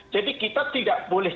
jadi kita tidak boleh